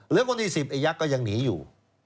คนที่๑๐ไอ้ยักษ์ก็ยังหนีอยู่